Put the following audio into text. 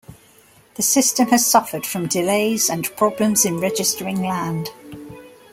The system has suffered from delays and problems in registering land.